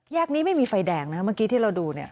นี้ไม่มีไฟแดงนะเมื่อกี้ที่เราดูเนี่ย